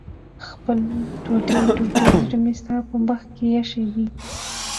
خپل ټوټې ټوټې زړه مې ستا په مخ کې ايښی دی